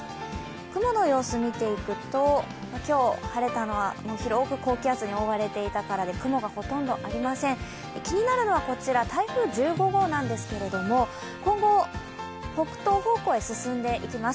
雲の様子を見ていくと、今日晴れたのは広く高気圧に覆われていたからで雲がほとんどありません、気になるのはこちら台風１５号なんですけれども今後、北東方向へ進んでいきます。